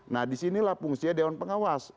nah disinilah fungsinya dewan pengawas